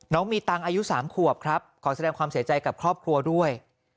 มีตังค์อายุ๓ขวบครับขอแสดงความเสียใจกับครอบครัวด้วย